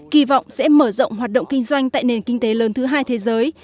kỳ vọng sẽ mở rộng hoạt động kinh doanh tại nền kinh tế lớn thứ hai thế giới